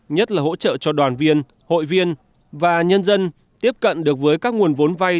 nhất là hỗ trợ cho đoàn viên hội viên và nhân dân tiếp cận được với các nguồn vốn vay